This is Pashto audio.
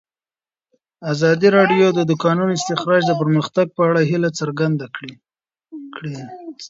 ازادي راډیو د د کانونو استخراج د پرمختګ په اړه هیله څرګنده کړې.